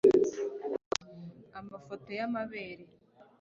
amafoto y'amabere